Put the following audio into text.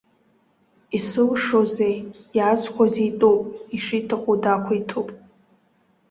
Исылшозеи, иаазхәаз итәуп, ишиҭаху дақәиҭуп.